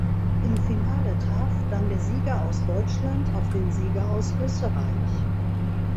Im Finale traf dann der Sieger aus Deutschland auf den Sieger aus Österreich.